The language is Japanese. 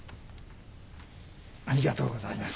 ありがとうございます。